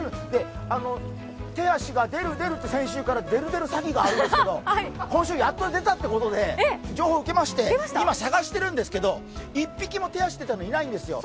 手足が出る、出るって先週から「出る出る詐欺」があるんですけど、今週やっと出たということで情報を受けまして今、探してるんですけど、１匹も手足出たのがいないんですよ。